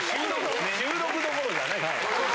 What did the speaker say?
収録どころじゃない。